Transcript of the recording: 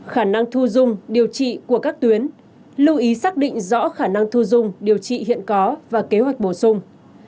khả năng thu dung điều trị của các tuyến lưu ý xác định rõ khả năng thu dung điều trị hiện có và kế hoạch bổ sung